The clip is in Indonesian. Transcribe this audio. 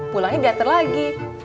pulangnya diantar lagi